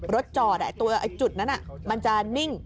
รถจอดตวยั้งตัวจุดนั้นมันจะนิ่ง